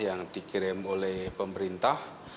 yang dikirim oleh pemerintah